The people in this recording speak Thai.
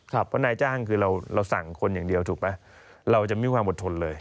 เพราะนายจ้างคือเราสั่งคนอย่างเดียวถูกไหมเราจะไม่มีความอดทนเลย